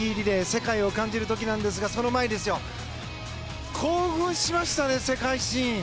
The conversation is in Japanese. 世界を感じる時なんですがその前に興奮しましたね、世界新！